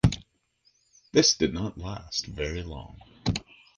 This did not last very long.